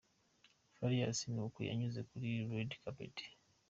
Farious ni uku yanyuze kuri Red Carpet.